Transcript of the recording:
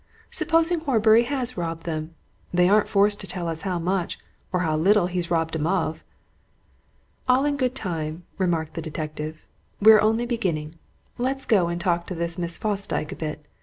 Supposing Horbury has robbed them, they aren't forced to tell us how much or how little he's robbed 'em of!" "All in good time," remarked the detective. "We're only beginning. Let's go and talk to this Miss Fosdyke a bit.